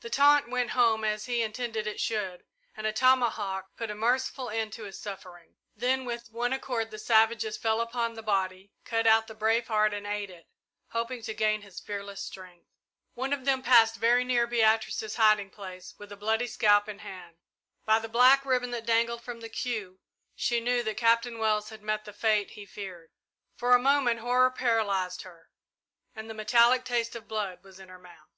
The taunt went home, as he intended it should, and a tomahawk put a merciful end to his suffering. Then with one accord the savages fell upon the body, cut out the brave heart and ate it, hoping to gain his fearless strength. One of them passed very near Beatrice's hiding place with a bloody scalp in his hand. By the black ribbon that dangled from the queue, she knew that Captain Wells had met the fate he feared. For a moment horror paralysed her, and the metallic taste of blood was in her mouth.